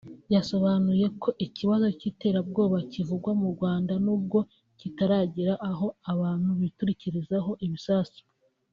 yasobanuye ko ikibazo cy’iterabwoba kivugwa mu Rwanda n’ubwo kitaragera aho abantu biturikirizaho ibisasu